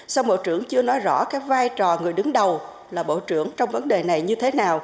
sau bộ trưởng chưa nói rõ cái vai trò người đứng đầu là bộ trưởng trong vấn đề này như thế nào